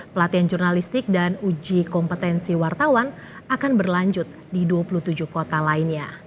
pelatihan jurnalistik dan uji kompetensi wartawan akan berlanjut di dua puluh tujuh kota lainnya